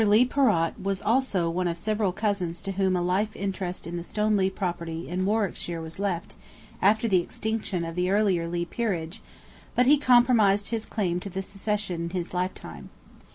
Leigh Perrot was also one of several cousins to whom a life interest in the Stoneleigh property in Warwickshire was left, after the extinction of the earlier Leigh peerage, but he compromised his claim to the succession in his lifetime.